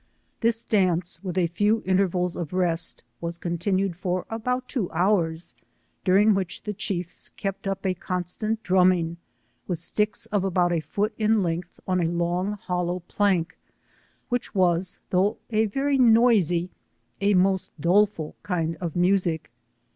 This dance, with, a few intervals of rest, was continued for about two hours, during which the chiefs kept up a constant drumming with sticks of about a foot in length on a long hollow plank, Tvhich was, though a very noisy, a most doleful kind of music.